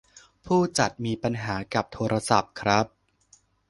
ผู้จัดมีปัญหากับโทรศัพท์ครับ